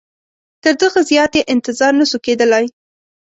تر دغه زیات یې انتظار نه سو کېدلای.